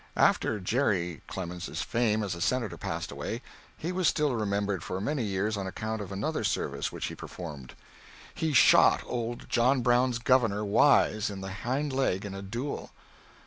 After Jere. Clemens's fame as a Senator passed away, he was still remembered for many years on account of another service which he performed. He shot old John Brown's Governor Wise in the hind leg in a duel.